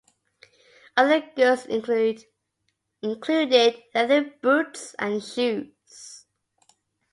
Other goods included leather, boots and shoes.